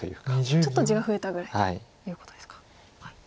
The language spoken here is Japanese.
ちょっと地が増えたぐらいということですか。